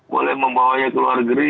boleh membawanya ke luar negeri